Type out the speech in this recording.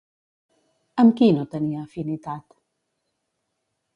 Amb qui no tenia afinitat?